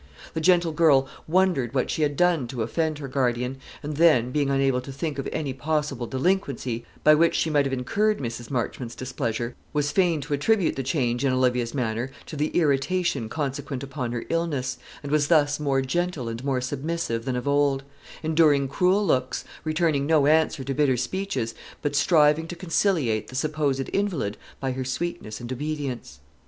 The gentle girl wondered what she had done to offend her guardian, and then, being unable to think of any possible delinquency by which she might have incurred Mrs. Marchmont's displeasure, was fain to attribute the change in Olivia's manner to the irritation consequent upon her illness, and was thus more gentle and more submissive than of old; enduring cruel looks, returning no answer to bitter speeches, but striving to conciliate the supposed invalid by her sweetness and obedience.